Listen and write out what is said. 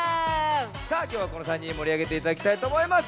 さあきょうはこの３にんでもりあげていただきたいとおもいます！